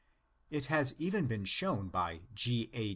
It has even been shown by G. A.